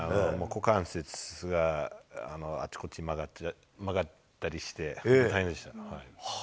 股関節があちこち曲がったりして大変でした。